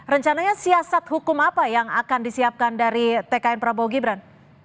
rencananya siasat hukum apa yang akan disiapkan dari tkn prabowo gibran